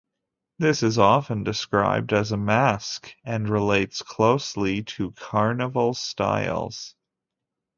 This is often described as a masque, and relates closely to carnival styles.